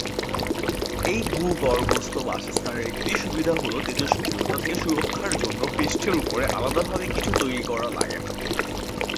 এই ভূগর্ভস্থ বাসস্থানের একটি সুবিধা হলো তেজস্ক্রিয়তা থেকে সুরক্ষার জন্য পৃষ্ঠের উপরে আলাদাভাবে কিছু তৈরী করা লাগে না।